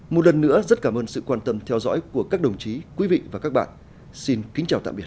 một lần nữa rất cảm ơn sự quan tâm theo dõi của các đồng chí quý vị và các bạn xin kính chào tạm biệt